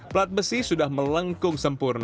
plat besi sudah melengkung sempurna